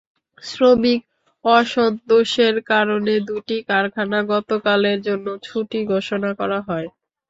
শ্রমিক অসন্তোষের কারণে দুটি কারখানা গতকালের জন্য ছুটি ঘোষণা করা হয়।